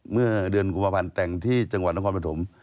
เมื่อเดือนกุมาพันธุ์แต่งที่จังหวัดนักความประถม